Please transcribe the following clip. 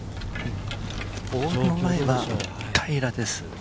ボールは平らです。